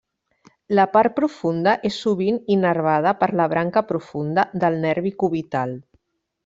La part profunda és sovint innervada per la branca profunda del nervi cubital.